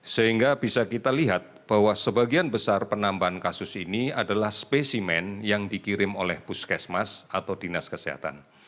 sehingga bisa kita lihat bahwa sebagian besar penambahan kasus ini adalah spesimen yang dikirim oleh puskesmas atau dinas kesehatan